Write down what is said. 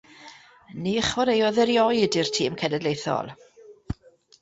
Ni chwaraeodd erioed i'r tîm cenedlaethol.